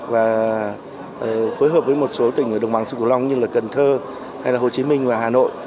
và phối hợp với một số tỉnh ở đồng bằng sự củ long như cần thơ hồ chí minh và hà nội